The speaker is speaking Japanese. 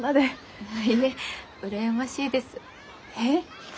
いいえ羨ましいです。え？